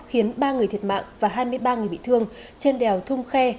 khiến ba người thiệt mạng và hai mươi ba người bị thương trên đèo thung khe